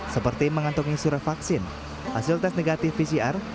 seperti mengantungi surat vaksin hasil tes negatif pcr